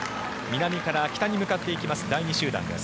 南から北に向かっていきます